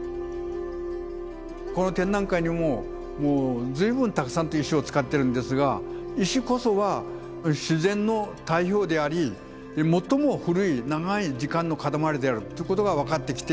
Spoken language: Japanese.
この展覧会にももう随分たくさんと石を使ってるんですが石こそは自然の代表であり最も古い長い時間の塊であるということが分かってきて。